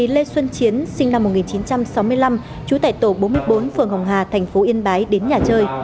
nguyễn tiến trường sinh năm một nghìn chín trăm sáu mươi năm trú tại tổ bốn mươi bốn phường hồng hà thành phố yên bái đến nhà chơi